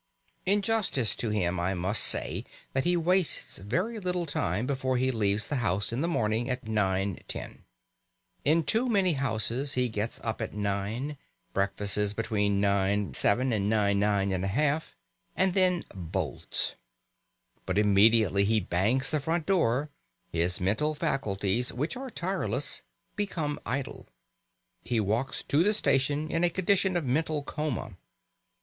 In justice to him I must say that he wastes very little time before he leaves the house in the morning at 9.10. In too many houses he gets up at nine, breakfasts between 9.7 and 9.9 1/2, and then bolts. But immediately he bangs the front door his mental faculties, which are tireless, become idle. He walks to the station in a condition of mental coma.